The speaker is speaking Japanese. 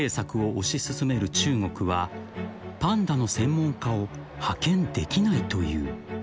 推し進める中国はパンダの専門家を派遣できないという］